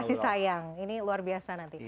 pasti sayang ini luar biasa nanti